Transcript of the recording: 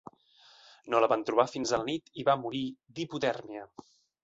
No la van trobar fins a la nit i va morir d'hipotèrmia.